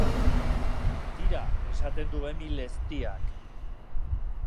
Tira, esaten du Emil eztiak.